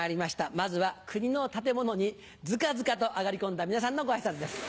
まずは国の建物にずかずかと上がり込んだ皆さんのご挨拶です。